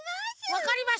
わかりました。